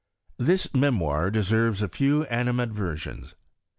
This Memoir deserves a few animadversions.